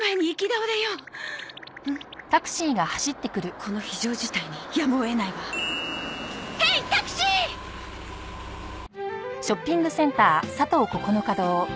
この非常事態にやむを得ないわヘイタクシー！